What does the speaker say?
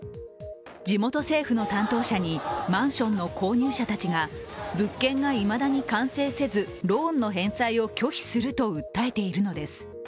地元政府の担当者に、マンションの購入者たちが物件がいまだに完成せずローンの返済を拒否すると訴えているのです。